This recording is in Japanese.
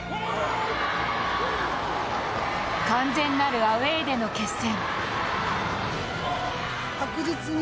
完全なるアウェーでの決戦。